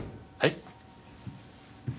はい？